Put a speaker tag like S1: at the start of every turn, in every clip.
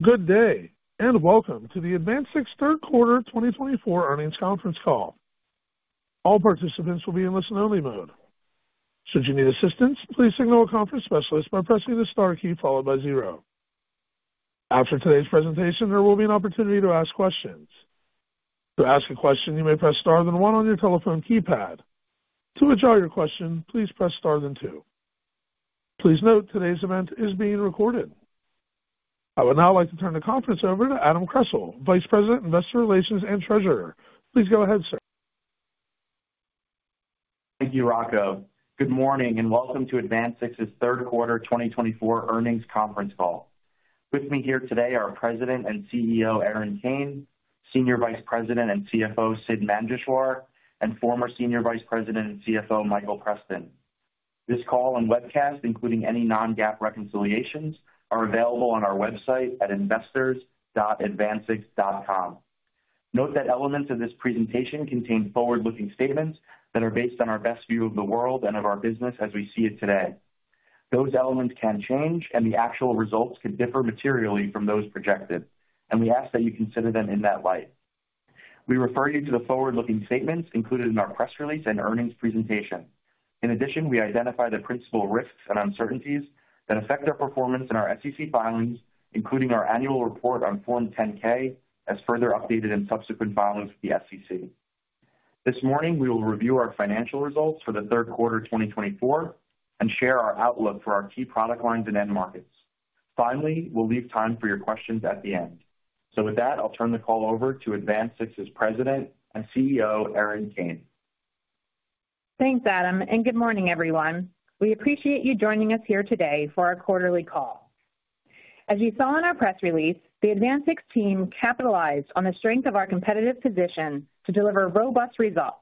S1: Good day, and welcome to the AdvanSix third quarter 2024 earnings conference call. All participants will be in listen-only mode. Should you need assistance, please signal a conference specialist by pressing the star key followed by zero. After today's presentation, there will be an opportunity to ask questions. To ask a question, you may press star then one on your telephone keypad. To withdraw your question, please press star then two. Please note today's event is being recorded. I would now like to turn the conference over to Adam Kressel, Vice President, Investor Relations and Treasurer. Please go ahead, sir.
S2: Thank you, Rocco. Good morning, and welcome to AdvanSix's third quarter 2024 earnings conference call. With me here today are President and CEO Erin Kane, Senior Vice President and CFO Sidd Manjeshwar, and former Senior Vice President and CFO Michael Preston. This call and webcast, including any non-GAAP reconciliations, are available on our website at investors.advansix.com. Note that elements of this presentation contain forward-looking statements that are based on our best view of the world and of our business as we see it today. Those elements can change, and the actual results could differ materially from those projected, and we ask that you consider them in that light. We refer you to the forward-looking statements included in our press release and earnings presentation. In addition, we identify the principal risks and uncertainties that affect our performance in our SEC filings, including our annual report on Form 10-K, as further updated in subsequent filings with the SEC. This morning, we will review our financial results for the third quarter 2024 and share our outlook for our key product lines and end markets. Finally, we'll leave time for your questions at the end. So with that, I'll turn the call over to AdvanSix's President and CEO, Erin Kane.
S3: Thanks, Adam, and good morning, everyone. We appreciate you joining us here today for our quarterly call. As you saw in our press release, the AdvanSix team capitalized on the strength of our competitive position to deliver robust results.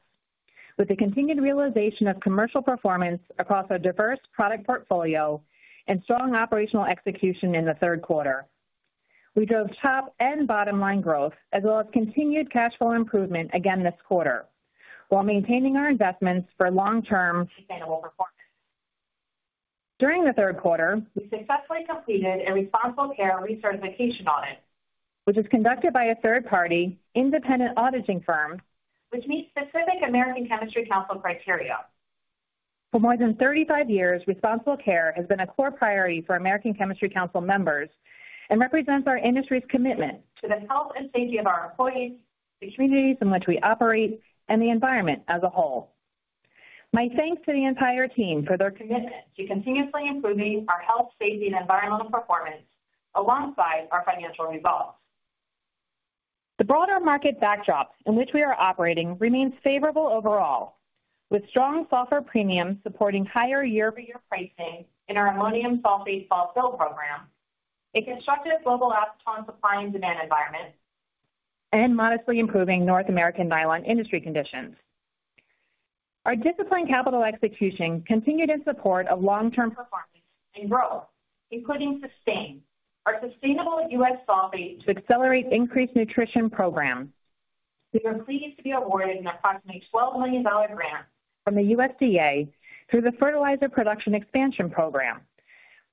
S3: With the continued realization of commercial performance across our diverse product portfolio and strong operational execution in the third quarter. We drove top and bottom line growth, as well as continued cash flow improvement again this quarter, while maintaining our investments for long-term sustainable performance. During the third quarter, we successfully completed a Responsible Care Recertification Audit, which is conducted by a third-party independent auditing firm, which meets specific American Chemistry Council criteria. For more than 35 years, Responsible Care has been a core priority for American Chemistry Council members and represents our industry's commitment to the health and safety of our employees, the communities in which we operate, and the environment as a whole. My thanks to the entire team for their commitment to continuously improving our health, safety, and environmental performance alongside our financial results. The broader market backdrop in which we are operating remains favorable overall, with strong sulfur premiums supporting higher year-over-year pricing in our ammonium sulfate fall fill program, a constructive global acetone supply and demand environment, and modestly improving North American nylon industry conditions. Our disciplined capital execution continued in support of long-term performance and growth, including SUSTAIN, or Sustainable U.S. Sulfate to Accelerate Increased Nutrition program. We are pleased to be awarded an approximately $12 million grant from the USDA through the Fertilizer Production Expansion Program,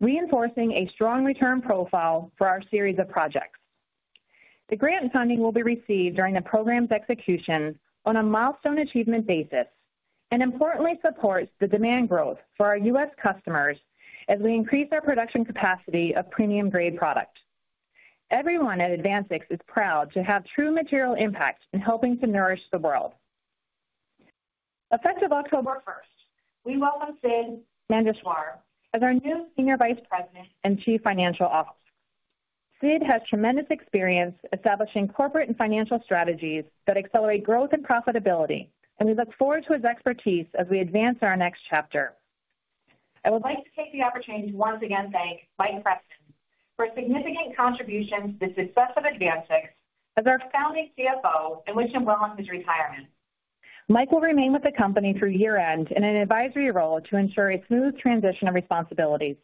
S3: reinforcing a strong return profile for our series of projects. The grant funding will be received during the program's execution on a milestone achievement basis and importantly supports the demand growth for our U.S. customers as we increase our production capacity of premium-grade product. Everyone at AdvanSix is proud to have true material impact in helping to nourish the world. Effective October 1st, we welcome Sidd Manjeshwar as our new Senior Vice President and Chief Financial Officer. Sidd has tremendous experience establishing corporate and financial strategies that accelerate growth and profitability, and we look forward to his expertise as we advance our next chapter. I would like to take the opportunity to once again thank Mike Preston for his significant contribution to the success of AdvanSix as our founding CFO, in which he will announce his retirement. Mike will remain with the company through year-end in an advisory role to ensure a smooth transition of responsibilities.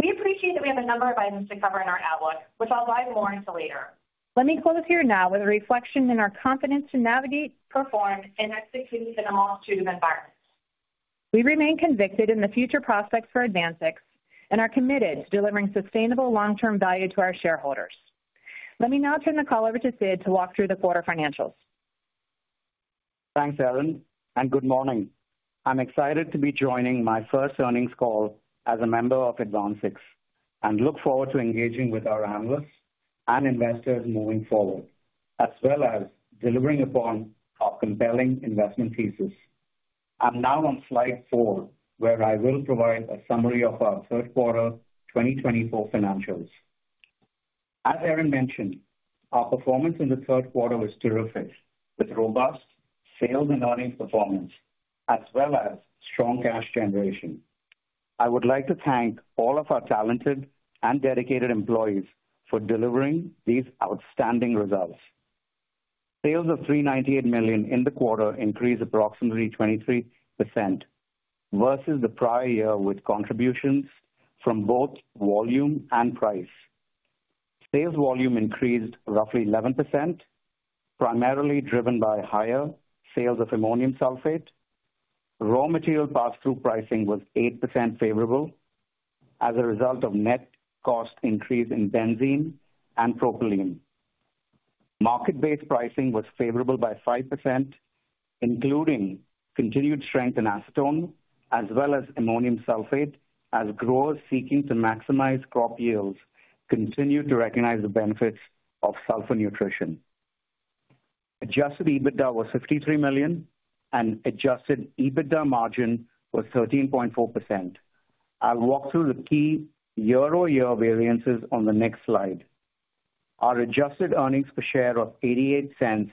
S3: We appreciate that we have a number of items to cover in our outlook, which I'll dive more into later. Let me close here now with a reflection on our confidence to navigate, perform, and execute within a multitude of environments. We remain convinced in the future prospects for AdvanSix and are committed to delivering sustainable long-term value to our shareholders. Let me now turn the call over to Sidd to walk through the quarter financials.
S4: Thanks, Erin, and good morning. I'm excited to be joining my first earnings call as a member of AdvanSix and look forward to engaging with our analysts and investors moving forward, as well as delivering upon our compelling investment thesis. I'm now on slide four, where I will provide a summary of our third quarter 2024 financials. As Erin mentioned, our performance in the third quarter was terrific, with robust sales and earnings performance, as well as strong cash generation. I would like to thank all of our talented and dedicated employees for delivering these outstanding results. Sales of $398 million in the quarter increased approximately 23% versus the prior year, with contributions from both volume and price. Sales volume increased roughly 11%, primarily driven by higher sales of ammonium sulfate. Raw material pass-through pricing was 8% favorable as a result of net cost increase in benzene and propylene. Market-based pricing was favorable by 5%, including continued strength in acetone, as well as ammonium sulfate, as growers seeking to maximize crop yields continue to recognize the benefits of sulfur nutrition. Adjusted EBITDA was $53 million, and adjusted EBITDA margin was 13.4%. I'll walk through the key year-over-year variances on the next slide. Our adjusted earnings per share of $0.88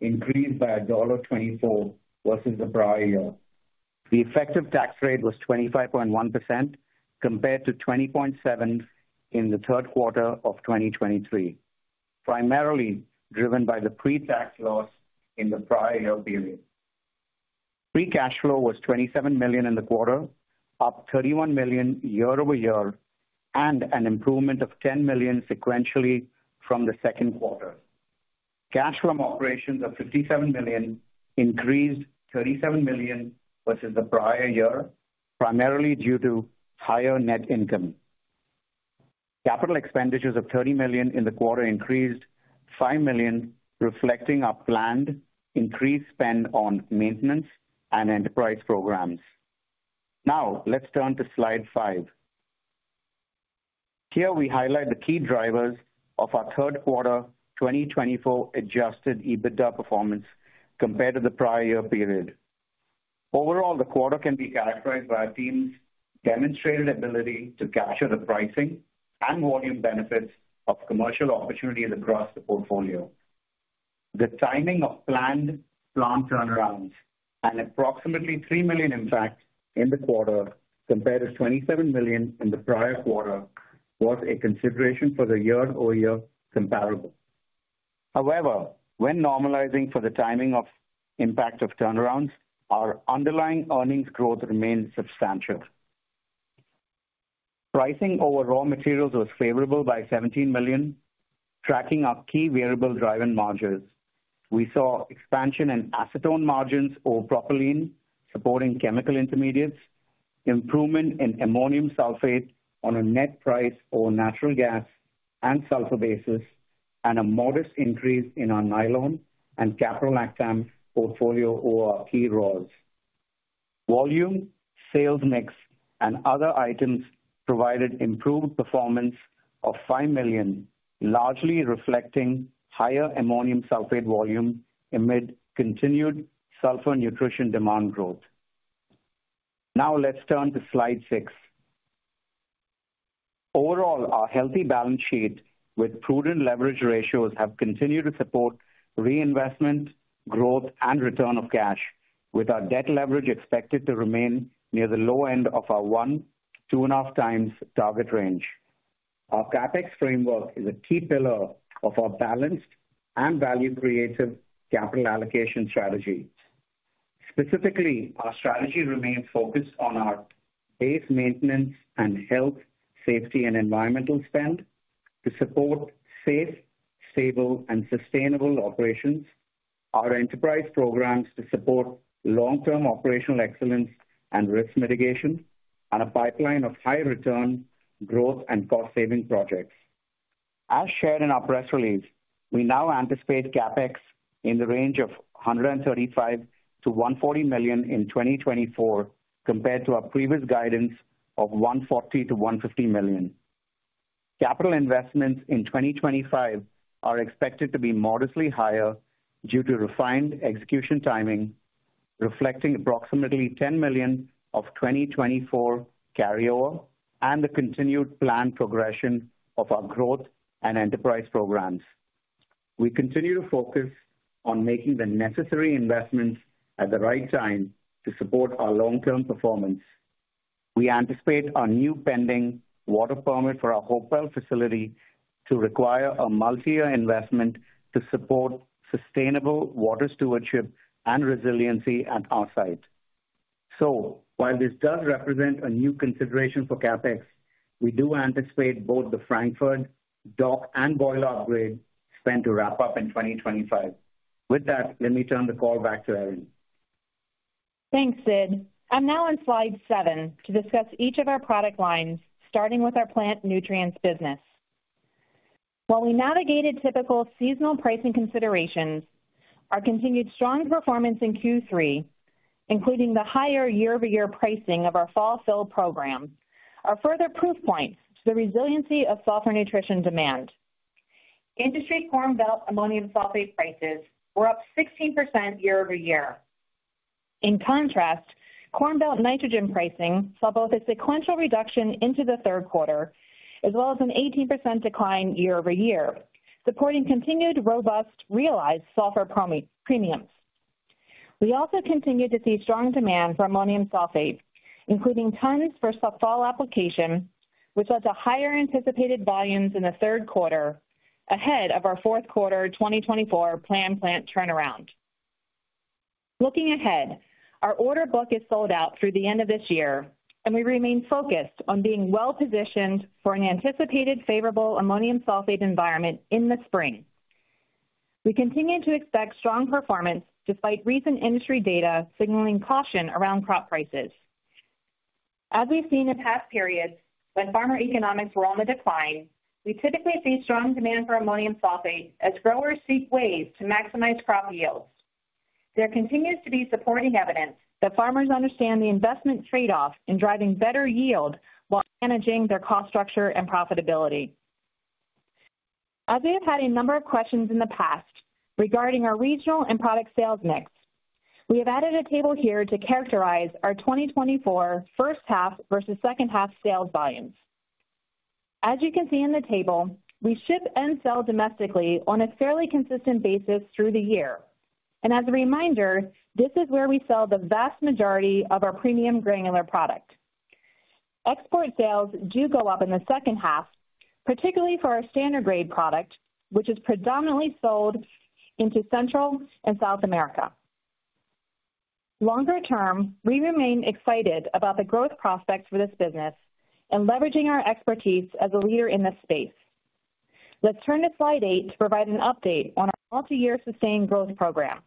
S4: increased by $1.24 versus the prior year. The effective tax rate was 25.1% compared to 20.7% in the third quarter of 2023, primarily driven by the pre-tax loss in the prior year period. Free cash flow was $27 million in the quarter, up $31 million year-over-year, and an improvement of $10 million sequentially from the second quarter. Cash from operations of $57 million increased $37 million versus the prior year, primarily due to higher net income. Capital expenditures of $30 million in the quarter increased $5 million, reflecting our planned increased spend on maintenance and enterprise programs. Now, let's turn to slide five. Here, we highlight the key drivers of our third quarter 2024 Adjusted EBITDA performance compared to the prior year period. Overall, the quarter can be characterized by our team's demonstrated ability to capture the pricing and volume benefits of commercial opportunities across the portfolio, the timing of planned plant turnarounds, and approximately $3 million impact in the quarter compared to $27 million in the prior quarter, was a consideration for the year-over-year comparable. However, when normalizing for the timing of impact of turnarounds, our underlying earnings growth remained substantial. Pricing over raw materials was favorable by $17 million, tracking our key variable driving margins. We saw expansion in acetone margins over propylene, supporting chemical intermediates, improvement in ammonium sulfate on a net price over natural gas and sulfur bases, and a modest increase in our nylon and caprolactam portfolio over our key raws. Volume, sales mix, and other items provided improved performance of $5 million, largely reflecting higher ammonium sulfate volume amid continued sulfur nutrition demand growth. Now, let's turn to slide six. Overall, our healthy balance sheet with prudent leverage ratios have continued to support reinvestment, growth, and return of cash, with our debt leverage expected to remain near the low end of our one to two-and-a-half times target range. Our CapEx framework is a key pillar of our balanced and value-creative capital allocation strategy. Specifically, our strategy remains focused on our base maintenance and health, safety, and environmental spend to support safe, stable, and sustainable operations, our enterprise programs to support long-term operational excellence and risk mitigation, and a pipeline of high-return growth and cost-saving projects. As shared in our press release, we now anticipate CapEx in the range of $135 million-$140 million in 2024, compared to our previous guidance of $140 million-$150 million. Capital investments in 2025 are expected to be modestly higher due to refined execution timing, reflecting approximately $10 million of 2024 carryover and the continued planned progression of our growth and enterprise programs. We continue to focus on making the necessary investments at the right time to support our long-term performance. We anticipate our new pending water permit for our Hopewell facility to require a multi-year investment to support sustainable water stewardship and resiliency at our site. So, while this does represent a new consideration for CapEx, we do anticipate both the Frankford dock and boiler upgrade spend to wrap up in 2025. With that, let me turn the call back to Erin.
S3: Thanks, Sidd. I'm now on slide seven to discuss each of our product lines, starting with our plant nutrients business. While we navigated typical seasonal pricing considerations, our continued strong performance in Q3, including the higher year-over-year pricing of our fall fill programs, are further proof points to the resiliency of sulfur nutrition demand. Industry Corn Belt ammonium sulfate prices were up 16% year-over-year. In contrast, Corn Belt nitrogen pricing saw both a sequential reduction into the third quarter, as well as an 18% decline year-over-year, supporting continued robust realized sulfur premiums. We also continued to see strong demand for ammonium sulfate, including tons for sulfur application, which led to higher anticipated volumes in the third quarter, ahead of our fourth quarter 2024 planned plant turnaround. Looking ahead, our order book is sold out through the end of this year, and we remain focused on being well-positioned for an anticipated favorable ammonium sulfate environment in the spring. We continue to expect strong performance despite recent industry data signaling caution around crop prices. As we've seen in past periods, when farmer economics were on the decline, we typically see strong demand for ammonium sulfate as growers seek ways to maximize crop yields. There continues to be supporting evidence that farmers understand the investment trade-off in driving better yield while managing their cost structure and profitability. As we have had a number of questions in the past regarding our regional and product sales mix, we have added a table here to characterize our 2024 first half versus second half sales volumes. As you can see in the table, we ship and sell domestically on a fairly consistent basis through the year. And as a reminder, this is where we sell the vast majority of our premium granular product. Export sales do go up in the second half, particularly for our standard-grade product, which is predominantly sold into Central and South America. Longer term, we remain excited about the growth prospects for this business and leveraging our expertise as a leader in this space. Let's turn to slide eight to provide an update on our multi-year sustained growth program.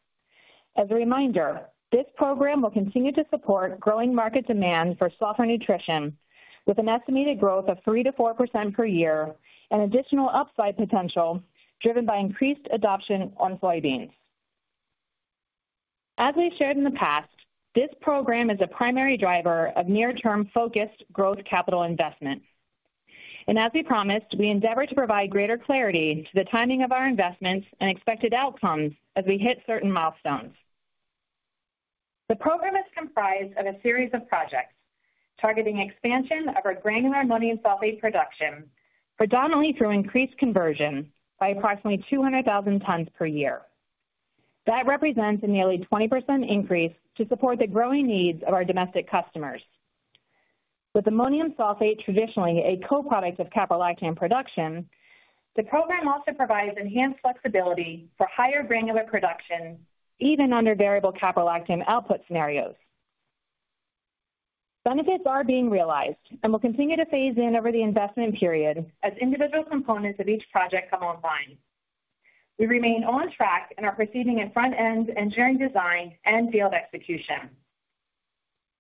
S3: As a reminder, this program will continue to support growing market demand for sulfur nutrition, with an estimated growth of 3%-4% per year and additional upside potential driven by increased adoption on soybeans. As we've shared in the past, this program is a primary driver of near-term focused growth capital investment. And as we promised, we endeavor to provide greater clarity to the timing of our investments and expected outcomes as we hit certain milestones. The program is comprised of a series of projects targeting expansion of our granular ammonium sulfate production, predominantly through increased conversion by approximately 200,000 tons per year. That represents a nearly 20% increase to support the growing needs of our domestic customers. With ammonium sulfate traditionally a co-product of caprolactam production, the program also provides enhanced flexibility for higher granular production, even under variable caprolactam output scenarios. Benefits are being realized and will continue to phase in over the investment period as individual components of each project come online. We remain on track in our proceeding in front-end engineering design and field execution.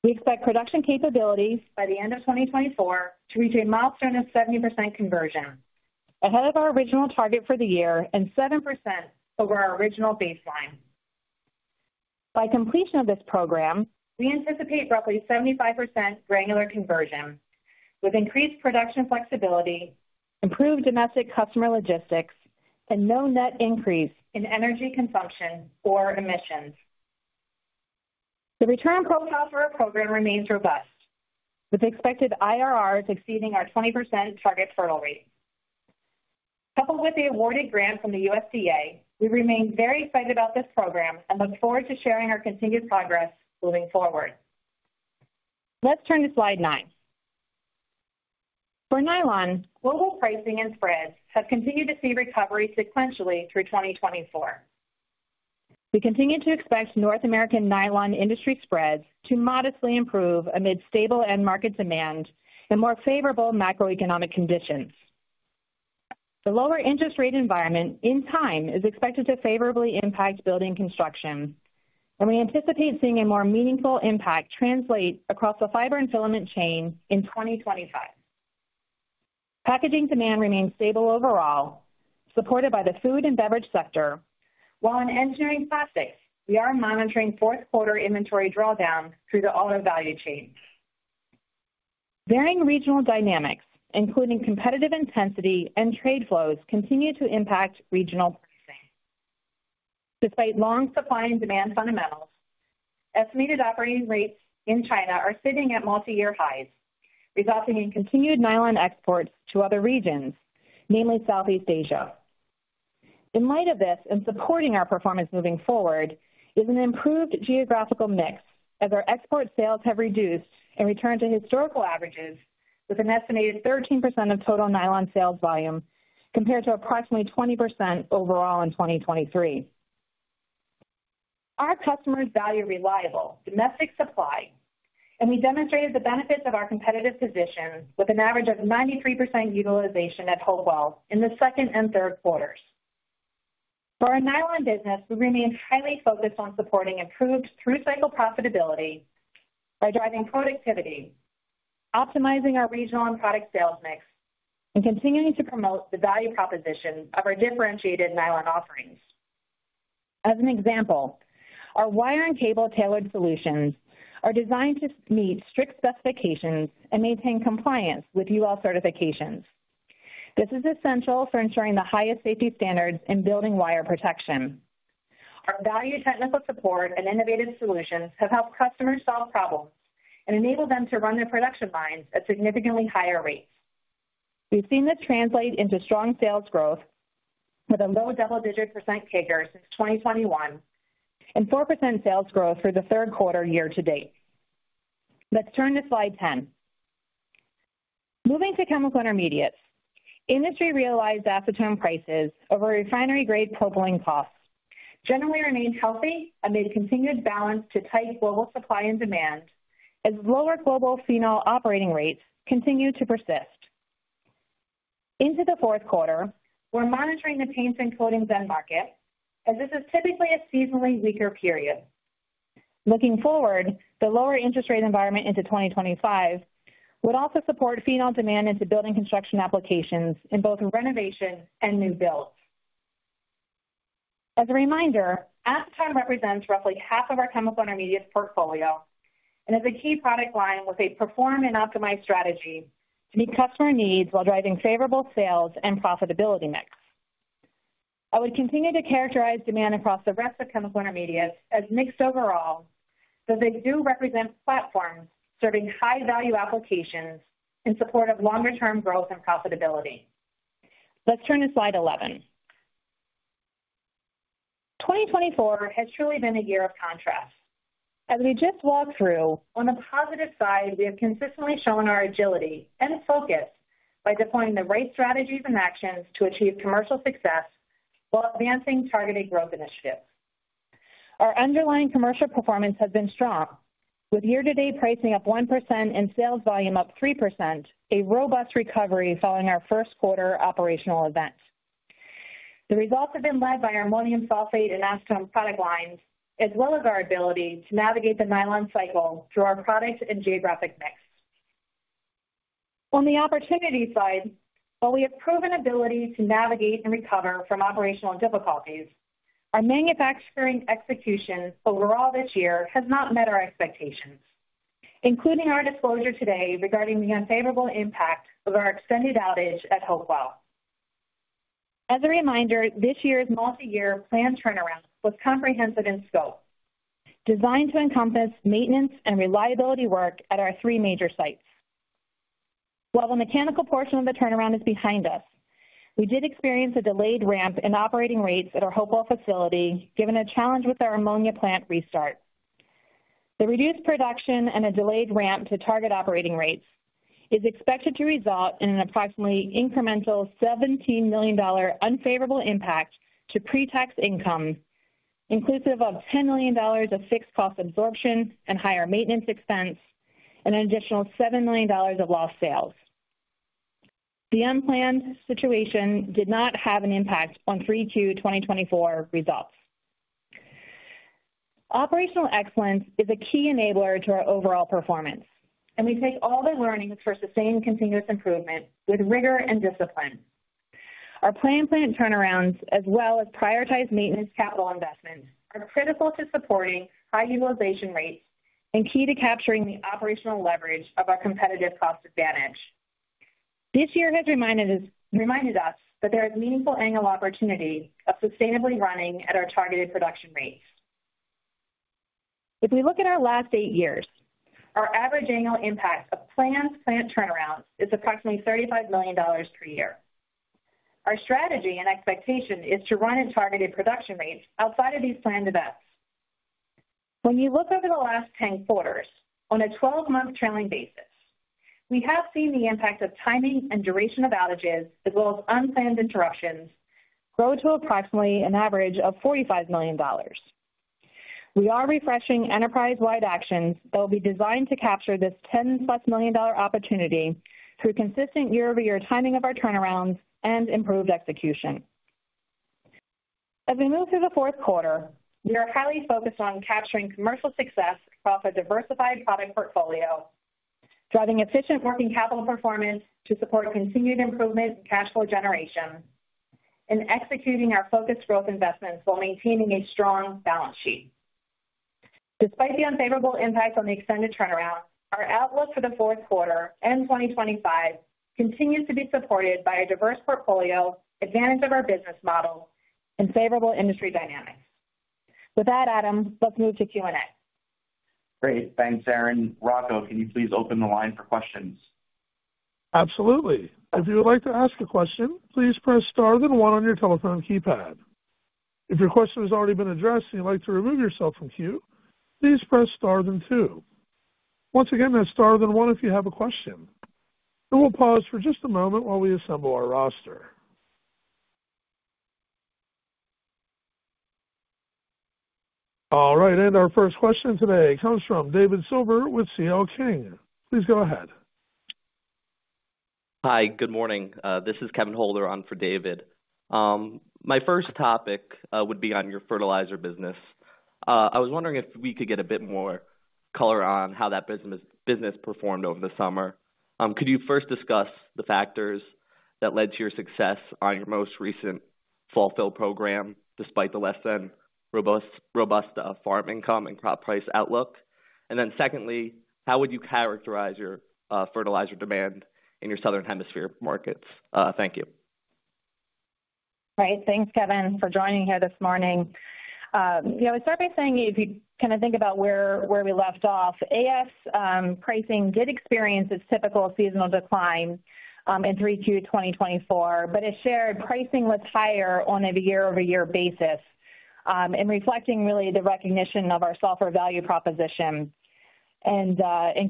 S3: We expect production capabilities by the end of 2024 to reach a milestone of 70% conversion, ahead of our original target for the year and 7% over our original baseline. By completion of this program, we anticipate roughly 75% granular conversion, with increased production flexibility, improved domestic customer logistics, and no net increase in energy consumption or emissions. The return profile for our program remains robust, with expected IRRs exceeding our 20% target hurdle rate. Coupled with the awarded grant from the USDA, we remain very excited about this program and look forward to sharing our continued progress moving forward. Let's turn to slide nine. For nylon, global pricing and spreads have continued to see recovery sequentially through 2024. We continue to expect North American nylon industry spreads to modestly improve amid stable end market demand and more favorable macroeconomic conditions. The lower interest rate environment in time is expected to favorably impact building construction, and we anticipate seeing a more meaningful impact translate across the fiber and filament chain in 2025. Packaging demand remains stable overall, supported by the food and beverage sector. While in engineering plastics, we are monitoring fourth quarter inventory drawdowns through the auto value chain. Varying regional dynamics, including competitive intensity and trade flows, continue to impact regional pricing. Despite long supply and demand fundamentals, estimated operating rates in China are sitting at multi-year highs, resulting in continued nylon exports to other regions, namely Southeast Asia. In light of this, and supporting our performance moving forward, is an improved geographical mix, as our export sales have reduced and returned to historical averages, with an estimated 13% of total nylon sales volume compared to approximately 20% overall in 2023. Our customers value reliable domestic supply, and we demonstrated the benefits of our competitive position with an average of 93% utilization at Hopewell in the second and third quarters. For our nylon business, we remain highly focused on supporting improved through-cycle profitability by driving productivity, optimizing our regional and product sales mix, and continuing to promote the value proposition of our differentiated nylon offerings. As an example, our wire and cable tailored solutions are designed to meet strict specifications and maintain compliance with UL certifications. This is essential for ensuring the highest safety standards in building wire protection. Our value technical support and innovative solutions have helped customers solve problems and enable them to run their production lines at significantly higher rates. We've seen this translate into strong sales growth with a low double-digit percent CAGR since 2021 and 4% sales growth for the third quarter year-to-date. Let's turn to slide 10. Moving to chemical intermediates, industry realized acetone prices over refinery-grade propylene costs generally remain healthy amid continued balanced to tight global supply and demand as lower global phenol operating rates continue to persist. Into the fourth quarter, we're monitoring the paints and coatings end market, as this is typically a seasonally weaker period. Looking forward, the lower interest rate environment into 2025 would also support phenol demand into building construction applications in both renovation and new builds. As a reminder, acetone represents roughly half of our chemical intermediates portfolio and is a key product line with a perform and optimize strategy to meet customer needs while driving favorable sales and profitability mix. I would continue to characterize demand across the rest of chemical intermediates as mixed overall, but they do represent platforms serving high-value applications in support of longer-term growth and profitability. Let's turn to slide 11. 2024 has truly been a year of contrast. As we just walked through, on the positive side, we have consistently shown our agility and focus by deploying the right strategies and actions to achieve commercial success while advancing targeted growth initiatives. Our underlying commercial performance has been strong, with year-to-date pricing up 1% and sales volume up 3%, a robust recovery following our first quarter operational event. The results have been led by our ammonium sulfate and acetone product lines, as well as our ability to navigate the nylon cycle through our product and geographic mix. On the opportunity side, while we have proven ability to navigate and recover from operational difficulties. Our manufacturing execution overall this year has not met our expectations, including our disclosure today regarding the unfavorable impact of our extended outage at Hopewell. As a reminder, this year's multi-year planned turnaround was comprehensive in scope, designed to encompass maintenance and reliability work at our three major sites. While the mechanical portion of the turnaround is behind us, we did experience a delayed ramp in operating rates at our Hopewell facility, given a challenge with our ammonia plant restart. The reduced production and a delayed ramp to target operating rates is expected to result in an approximately incremental $17 million unfavorable impact to pre-tax income, inclusive of $10 million of fixed cost absorption and higher maintenance expense, and an additional $7 million of lost sales. The unplanned situation did not have an impact on 3Q 2024 results. Operational excellence is a key enabler to our overall performance, and we take all the learnings for sustained continuous improvement with rigor and discipline. Our planned plant turnarounds, as well as prioritized maintenance capital investments, are critical to supporting high utilization rates and key to capturing the operational leverage of our competitive cost advantage. This year has reminded us that there is meaningful annual opportunity of sustainably running at our targeted production rates. If we look at our last eight years, our average annual impact of planned plant turnarounds is approximately $35 million per year. Our strategy and expectation is to run at targeted production rates outside of these planned events. When you look over the last 10 quarters, on a 12-month trailing basis, we have seen the impact of timing and duration of outages, as well as unplanned interruptions, grow to approximately an average of $45 million. We are refreshing enterprise-wide actions that will be designed to capture this $10+ million opportunity through consistent year-over-year timing of our turnarounds and improved execution. As we move through the fourth quarter, we are highly focused on capturing commercial success off a diversified product portfolio, driving efficient working capital performance to support continued improvement in cash flow generation, and executing our focused growth investments while maintaining a strong balance sheet. Despite the unfavorable impacts on the extended turnaround, our outlook for the fourth quarter and 2025 continues to be supported by a diverse portfolio, advantage of our business model, and favorable industry dynamics. With that, Adam, let's move to Q&A.
S2: Great. Thanks, Erin. Rocco, can you please open the line for questions?
S1: Absolutely. If you would like to ask a question, please press star then one on your telephone keypad. If your question has already been addressed and you'd like to remove yourself from queue, please press star then two. Once again, that's star then one if you have a question. We'll pause for just a moment while we assemble our roster. All right. Our first question today comes from David Silver with C.L. King. Please go ahead.
S5: Hi, good morning. This is Kevin Holder on for David. My first topic would be on your fertilizer business. I was wondering if we could get a bit more color on how that business performed over the summer. Could you first discuss the factors that led to your success on your most recent fall-fill program, despite the less-than-robust farm income and crop price outlook? And then secondly, how would you characterize your fertilizer demand in your Southern Hemisphere markets? Thank you.
S3: All right. Thanks, Kevin, for joining here this morning. Yeah, I would start by saying, if you kind of think about where we left off. AS pricing did experience its typical seasonal decline in 3Q 2024, but sulfate pricing was higher on a year-over-year basis. And reflecting really the recognition of our sulfate value proposition and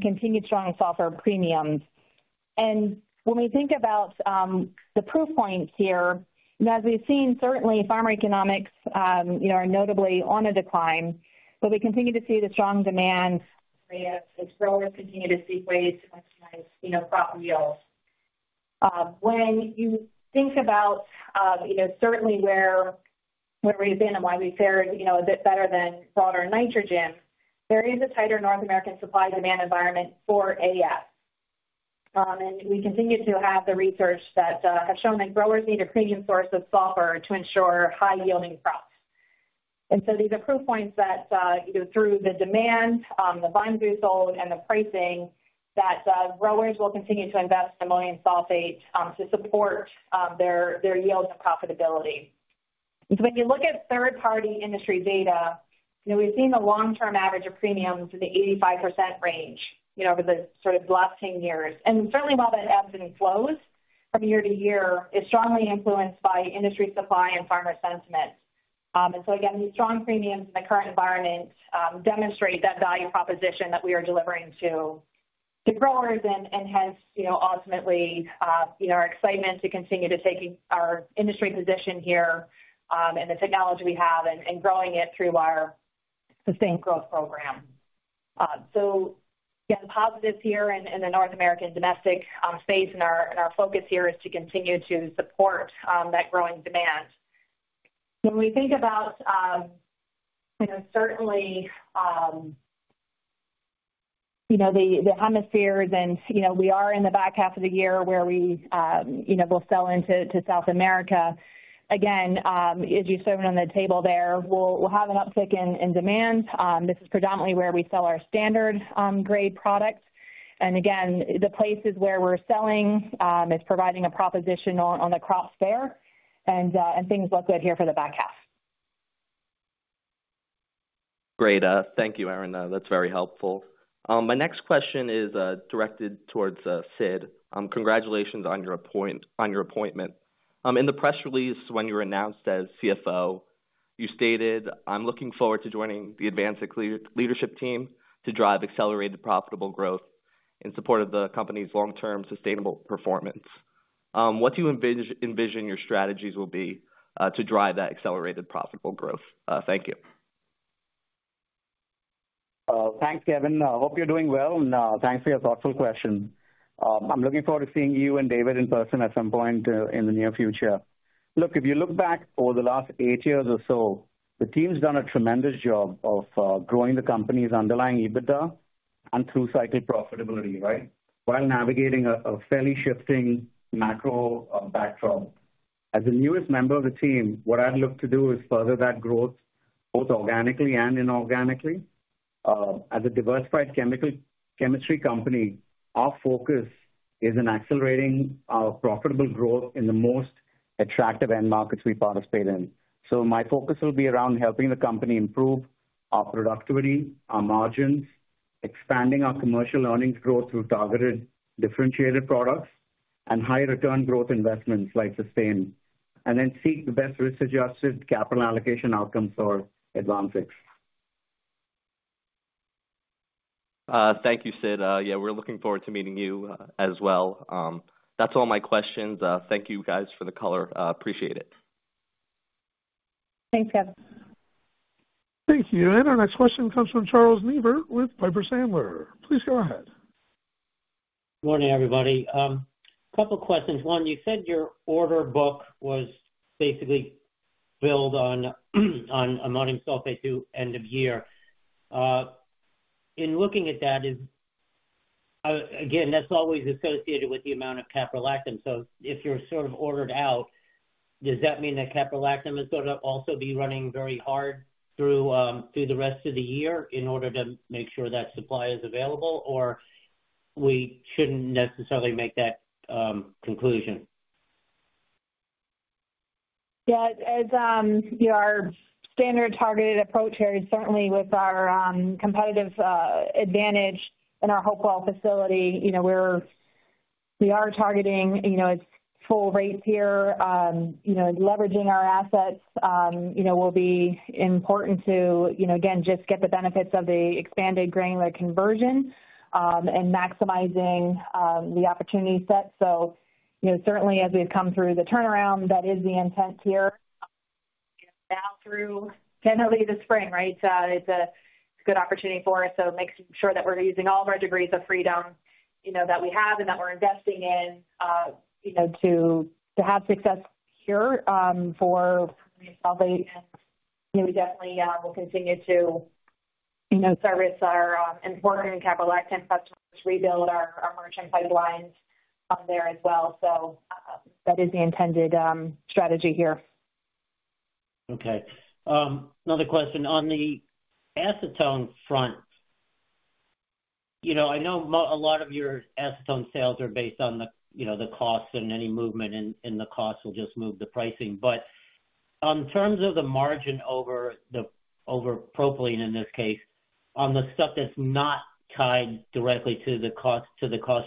S3: continued strong sulfate premiums. And when we think about the proof points here, as we've seen, certainly farmer economics are notably on a decline. But we continue to see the strong demand there. The growers continue to seek ways to maximize crop yields. When you think about certainly where we've been and why we fared a bit better than broader nitrogen, there is a tighter North American supply-demand environment for AS, and we continue to have the research that has shown that growers need a premium source of sulfur to ensure high-yielding crops. And so these are proof points that through the demand, the buying threshold, and the pricing, that growers will continue to invest in ammonium sulfate to support their yields and profitability. And so when you look at third-party industry data, we've seen the long-term average of premiums in the 85% range over the sort of last 10 years. And certainly, while that ebbs and flows from year to year, it's strongly influenced by industry supply and farmer sentiment. And so again, these strong premiums in the current environment demonstrate that value proposition that we are delivering to growers and has ultimately our excitement to continue to take our industry position here and the technology we have and growing it through our SUSTAIN growth program. So yeah, the positives here in the North American domestic space and our focus here is to continue to support that growing demand. When we think about certainly the hemisphere and we are in the back half of the year where we will sell into South America. Again, as you've shown on the table there, we'll have an uptick in demand. This is predominantly where we sell our standard-grade products. And again, the places where we're selling is providing a value proposition on the crop year, and things look good here for the back half.
S5: Great. Thank you, Erin. That's very helpful. My next question is directed towards Sidd. Congratulations on your appointment. In the press release when you were announced as CFO, you stated, "I'm looking forward to joining the AdvanSix leadership team to drive accelerated profitable growth in support of the company's long-term sustainable performance." What do you envision your strategies will be to drive that accelerated profitable growth? Thank you.
S4: Thanks, Kevin. I hope you're doing well. And thanks for your thoughtful question. I'm looking forward to seeing you and David in person at some point in the near future. Look, if you look back over the last eight years or so, the team's done a tremendous job of growing the company's underlying EBITDA and through-cycle profitability, right, while navigating a fairly shifting macro backdrop. As the newest member of the team, what I'd look to do is further that growth both organically and inorganically. As a diversified chemistry company, our focus is in accelerating our profitable growth in the most attractive end markets we participate in. So my focus will be around helping the company improve our productivity, our margins, expanding our commercial earnings growth through targeted differentiated products and high-return growth investments like SUSTAIN, and then seek the best risk-adjusted capital allocation outcomes for AdvanSix.
S5: Thank you, Sidd. Yeah, we're looking forward to meeting you as well. That's all my questions. Thank you, guys, for the color. Appreciate it.
S3: Thanks, Kevin.
S1: Thank you. And our next question comes from Charles Neivert with Piper Sandler. Please go ahead.
S6: Good morning, everybody. A couple of questions. One, you said your order book was basically filled on ammonium sulfate to end of year. In looking at that, again, that's always associated with the amount of caprolactam. So if you're sort of ordered out, does that mean that caprolactam is going to also be running very hard through the rest of the year in order to make sure that supply is available, or we shouldn't necessarily make that conclusion?
S3: Yeah. Our standard targeted approach here, certainly with our competitive advantage in our Hopewell facility, we are targeting at full rates here. Leveraging our assets will be important to, again, just get the benefits of the expanded granular conversion and maximizing the opportunity set. So certainly, as we've come through the turnaround, that is the intent here. Now, through generally the spring, right, it's a good opportunity for us. So making sure that we're using all of our degrees of freedom that we have and that we're investing in to have success here for ammonium sulfate. And we definitely will continue to service our important caprolactam customers, rebuild our merchant pipelines there as well. So that is the intended strategy here.
S6: Okay. Another question. On the acetone front, I know a lot of your acetone sales are based on the cost and any movement, and the cost will just move the pricing. But in terms of the margin over propylene in this case, on the stuff that's not tied directly to the cost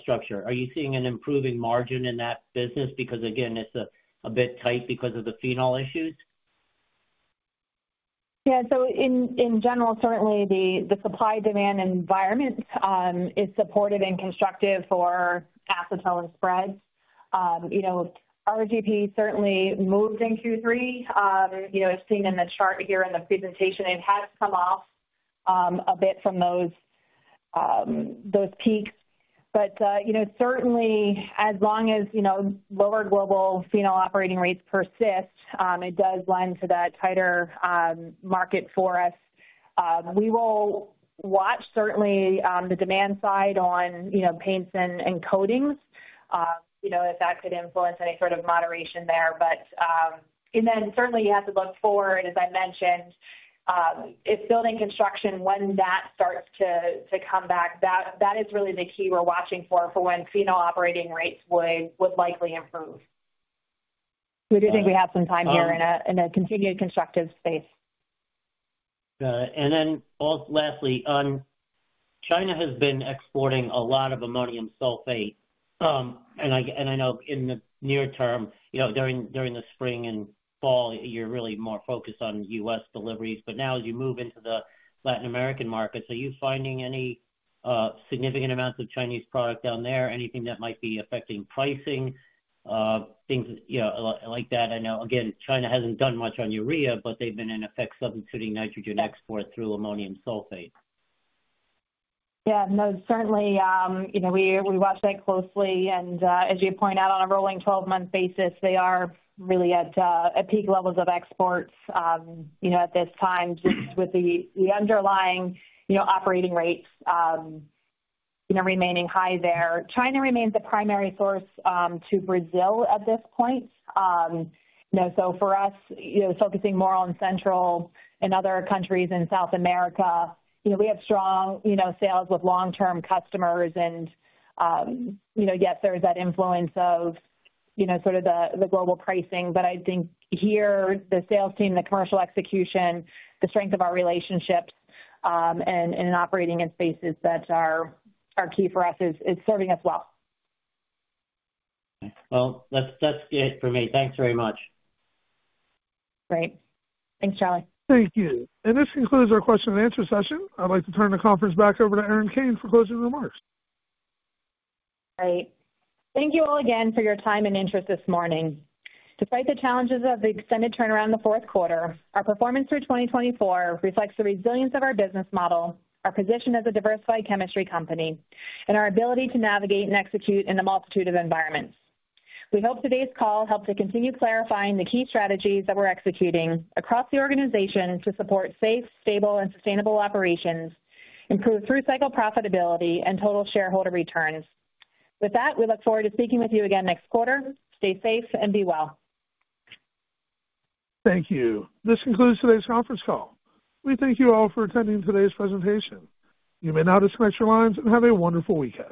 S6: structure, are you seeing an improving margin in that business? Because again, it's a bit tight because of the phenol issues.
S3: Yeah. So in general, certainly the supply-demand environment is supportive and constructive for acetone spreads. RGP certainly moved in Q3. As seen in the chart here in the presentation, it has come off a bit from those peaks. But certainly, as long as lower global phenol operating rates persist, it does lend to that tighter market for us. We will watch certainly the demand side on paints and coatings, if that could influence any sort of moderation there. But then certainly, you have to look forward, as I mentioned. If building construction, when that starts to come back, that is really the key we're watching for when phenol operating rates would likely improve. We do think we have some time here in a continued constructive space.
S6: And then lastly, China has been exporting a lot of ammonium sulfate. And I know in the near term, during the spring and fall, you're really more focused on U.S. deliveries. But now, as you move into the Latin American market, are you finding any significant amounts of Chinese product down there? Anything that might be affecting pricing, things like that? I know, again, China hasn't done much on urea, but they've been in effect substituting nitrogen export through ammonium sulfate.
S3: Yeah. No, certainly we watch that closely. And as you point out, on a rolling 12-month basis, they are really at peak levels of exports at this time, just with the underlying operating rates remaining high there. China remains the primary source to Brazil at this point. So for us, focusing more on Central and other countries in South America. We have strong sales with long-term customers. And yes, there's that influence of sort of the global pricing. But I think here, the sales team, the commercial execution, the strength of our relationships and operating in spaces that are key for us is serving us well.
S6: Well, that's it for me. Thanks very much.
S3: Great. Thanks, Charlie.
S1: Thank you. And this concludes our question-and-answer session. I'd like to turn the conference back over to Erin Kane for closing remarks.
S3: Great. Thank you all again for your time and interest this morning. Despite the challenges of the extended turnaround in the fourth quarter, our performance through 2024 reflects the resilience of our business model, our position as a diversified chemistry company, and our ability to navigate and execute in a multitude of environments. We hope today's call helped to continue clarifying the key strategies that we're executing across the organization to support safe, stable, and sustainable operations, improve through-cycle profitability, and total shareholder returns. With that, we look forward to speaking with you again next quarter. Stay safe and be well.
S1: Thank you. This concludes today's conference call. We thank you all for attending today's presentation. You may now disconnect your lines and have a wonderful weekend.